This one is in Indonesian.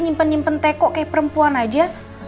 nyimpen nyimpen teko kayak perempuan aja